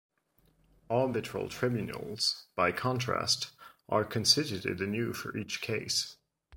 Arbitral tribunals, by contrast, are constituted anew for each case.